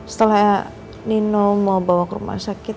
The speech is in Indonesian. setelah nino mau bawa ke rumah sakit